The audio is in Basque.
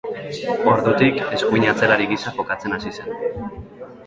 Ordutik, eskuin atzelari gisa jokatzen hasi zen.